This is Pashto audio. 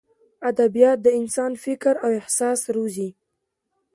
ادبیات د انسان فکر او احساس روزي.